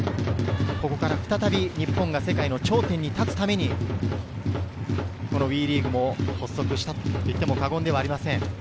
ここから再び日本が世界の頂点に立つために、ＷＥリーグも発足したといっても過言ではありません。